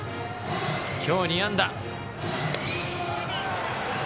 今日、２安打。